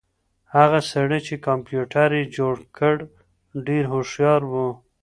هغه سړی چې کمپیوټر یې جوړ کړ ډېر هوښیار و.